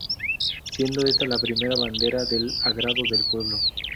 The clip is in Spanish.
Siendo esta, la primera bandera del agrado del pueblo.